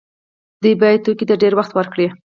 دوی باید توکو ته ډیر وخت ورکړی وای.